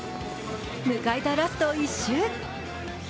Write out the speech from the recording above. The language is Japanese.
迎えたラスト１周。